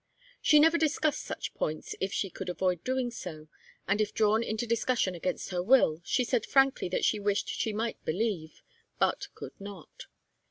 She never discussed such points if she could avoid doing so, and if drawn into discussion against her will, she said frankly that she wished she might believe, but could not.